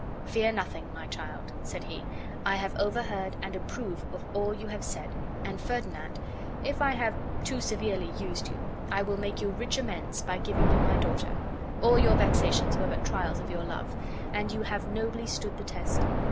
"Fear nothing, my child," said he; "I have overheard, and approve of all you have said. And, Ferdinand, if I have too severely used you, I will make you rich amends, by giving you my daughter. All your vexations were but trials of your love, and you have nobly stood the test.